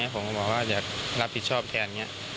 ผมก็บอกว่าจะรับผิดชอบแทน